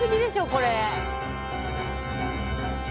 これ。